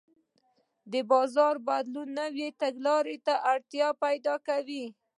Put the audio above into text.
د بازار بدلون د نوې تګلارې اړتیا پیدا کوي.